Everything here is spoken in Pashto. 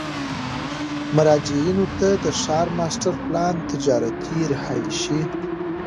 مراجعینو ته د ښار ماسټر پلان، تجارتي، رهایشي،